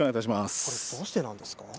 これ、どうしてなんですか？